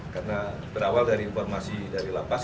karena berawal dari informasi dari lapas